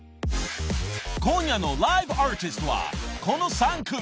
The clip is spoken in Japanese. ［今夜のライブアーティストはこの３組。